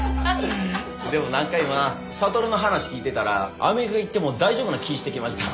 でも何か今諭の話聞いてたらアメリカ行っても大丈夫な気ぃしてきましたわ。